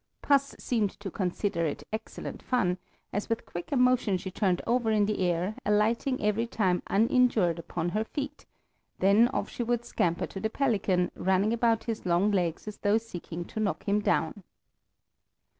Puss seemed to consider it excellent fun, as with a quick motion she turned over in the air, alighting every time uninjured upon her feet; then off she would scamper to the pelican, running about his long legs as though seeking to knock him down.